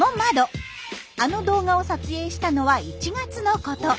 あの動画を撮影したのは１月のこと。